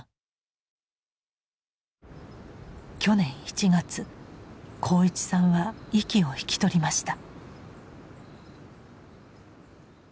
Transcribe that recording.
去年１月鋼一さんは息を引き取りました。